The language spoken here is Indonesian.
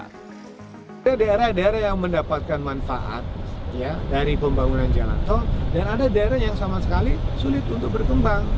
ada daerah daerah yang mendapatkan manfaat dari pembangunan jalan tol dan ada daerah yang sama sekali sulit untuk berkembang